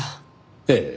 ええ。